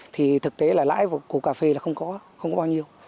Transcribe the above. thì thực tế là lãi của cà phê là không có không bao nhiêu